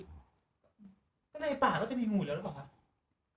ยังไงป่านก็จะปิดเลยหรือป่ะ